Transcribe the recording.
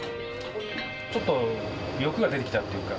ちょっと欲が出てきたっていうか。